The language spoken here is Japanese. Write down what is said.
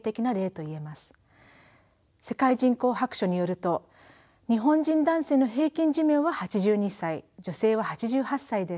世界人口白書によると日本人男性の平均寿命は８２歳女性は８８歳です。